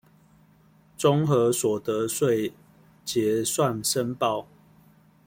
綜合所得稅結算申報